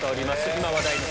今話題の。